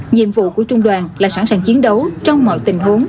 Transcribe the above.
nhiệm vụ của trung đoàn là sẵn sàng chiến đấu trong mọi tình huống